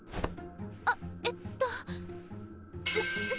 あっえっと。